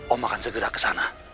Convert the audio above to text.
om akan segera kesana